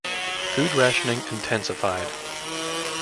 Food rationing intensified.